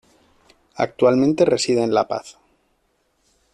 Actualmente reside en La Paz.